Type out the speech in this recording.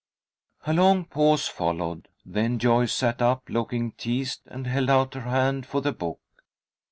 '" A long pause followed. Then Joyce sat up, looking teased, and held out her hand for the book.